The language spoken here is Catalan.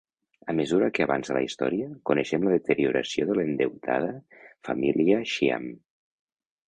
A mesura que avança la història, coneixem la deterioració de l'endeutada família Shyam.